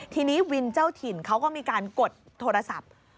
ทีนี้วินเจ้าถิ่นเขาก็มีการกดโทรศัพท์